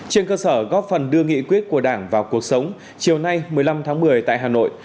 trên cơ sở góp phần đưa nghị quyết của đảng vào cuộc sống chiều nay một mươi năm tháng một mươi tại hà nội